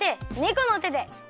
このてで。